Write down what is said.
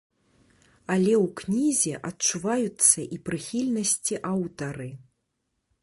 Але ў кнізе адчуваюцца і прыхільнасці аўтары.